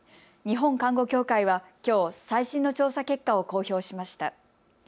日本看護協会はきょう最新の調査結果を公表しました。